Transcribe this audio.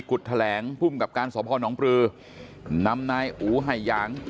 กุดแหลงผู้มกับการสพนนปลืนำนายอูไหหยัง